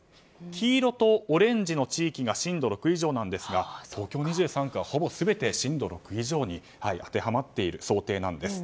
黄色とオレンジの地域が震度６以上なんですが東京２３区はほぼ全て震度６以上に当てはまっている想定なんです。